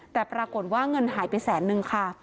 แต่ปรากฏว่าเงินหายไปแสนนึงค่ะ